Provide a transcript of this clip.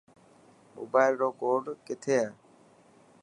موبائل رو ڪوڊ ڪٿي هي.